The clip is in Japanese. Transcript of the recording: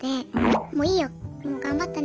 「もういいよもう頑張ったね。